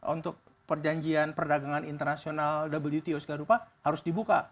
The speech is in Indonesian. untuk perjanjian perdagangan internasional wto segarupa harus dibuka